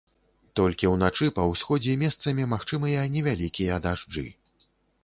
Толькі ўначы па ўсходзе месцамі магчымыя невялікія дажджы.